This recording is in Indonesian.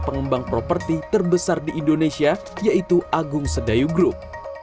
pengembang properti terbesar di indonesia yaitu agung sedayugrup